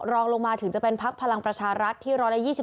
รองลงมาถึงจะเป็นพักพลังประชารัฐที่๑๒๒